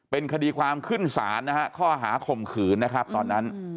เป็นคดีความขึ้นศาลนะฮะข้อหาข่มขืนนะครับตอนนั้น